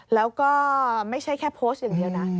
แล้วก็ไม่ใช่แค่โพสต์อย่างเดียวนะ